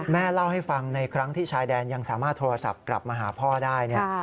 แม่เล่าให้ฟังในครั้งที่ชายแดนยังสามารถโทรศัพท์กลับมาหาพ่อได้เนี่ย